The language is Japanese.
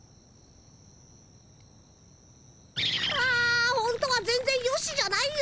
あほんとは全ぜんよしじゃないよ。